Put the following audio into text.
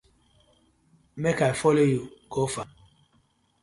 Mek I follo you go fam.